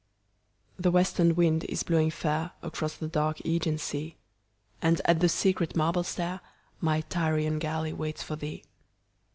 THE WESTERN wind is blowing fairAcross the dark Ægean sea, And at the secret marble stairMy Tyrian galley waits for thee.